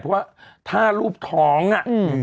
เพราะว่าถ้ารูปท้องอ่ะ